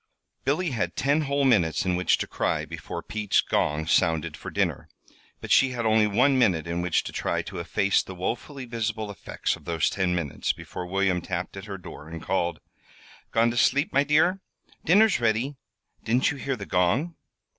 Billy had ten whole minutes in which to cry before Pete's gong sounded for dinner; but she had only one minute in which to try to efface the woefully visible effects of those ten minutes before William tapped at her door, and called: "Gone to sleep, my dear? Dinner's ready. Didn't you hear the gong?"